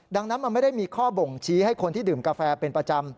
ดังนั้นมันไม่ได้มีข้อบ่งชี้ให้คนที่ดื่มกาแฟเป็นประจำ